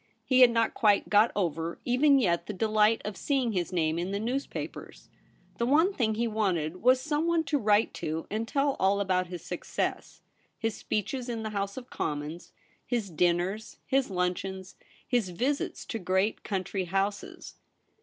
He had not quite got over, even yet, the delight of seeing his name in the newspapers. The one thing he wanted was someone to write to and tell all about his success ; his speeches in the House of Commons, his dinners, his luncheons, his visits to great country houses.